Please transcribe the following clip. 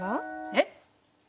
えっ？